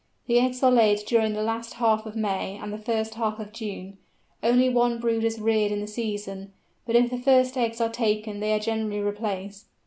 The eggs are laid during the last half of May and the first half of June; only one brood is reared in the season, but if the first eggs are taken they are generally replaced.